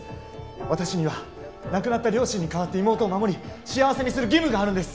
私には亡くなった両親に代わって妹を守り幸せにする義務があるんです。